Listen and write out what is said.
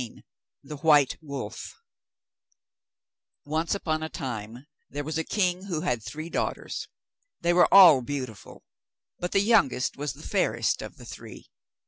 ] The White Wolf Once upon a time there was a king who had three daughters; they were all beautiful, but the youngest was the fairest of the three.